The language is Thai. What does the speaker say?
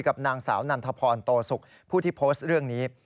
กับนางสาวนันทพรโตสุกผู้ที่โพสต์เรื่องนี้